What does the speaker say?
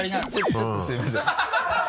ちょっとすいません。